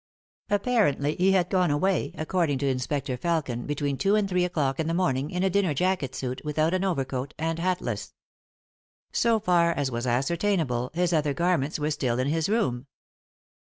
Apparently he had gone away, according to Inspector Felkin, between two and three o'clock in the morning, in a dinner jacket suit, without an overcoat, and hatless. So far as was ascertainable, his other garments were still in his room.